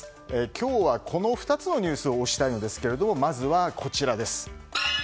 今日は、この２つのニュースを推したいのですがまずは、こちらです。